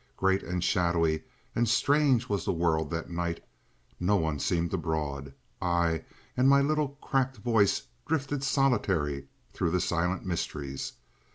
Great and shadowy and strange was the world that night, no one seemed abroad; I and my little cracked voice drifted solitary through the silent mysteries.